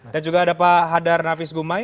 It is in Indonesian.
dan juga ada pak hadar nafis gumai